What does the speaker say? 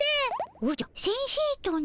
おじゃ先生とな？